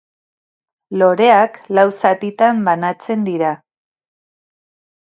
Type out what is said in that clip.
Loreak lau zatitan banatzen dira.